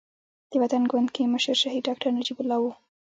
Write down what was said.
د وطن ګوند کې مشر شهيد ډاکټر نجيب الله وو.